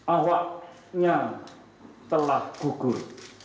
awaknya telah gugur